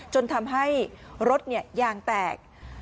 จนทำให้รถยางแตก